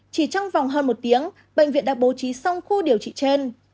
chỉ trong vòng hơn một tiếng bệnh viện đã bố trí xong khu điều trị trên